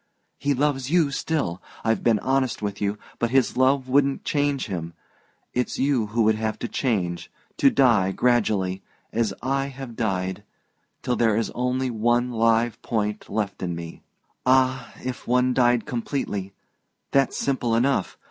He loves you still I've been honest with you but his love wouldn't change him. It is you who would have to change to die gradually, as I have died, till there is only one live point left in me. Ah, if one died completely that's simple enough!